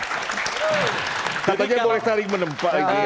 katanya boleh sering menempa